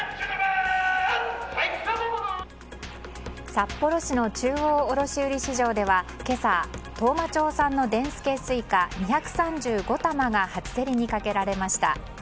札幌市の中央卸売市場では今朝、当麻町産のでんすけすいか２３５玉が初競りにかけられました。